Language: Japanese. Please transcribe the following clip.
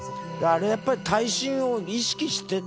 あれはやっぱり耐震を意識している？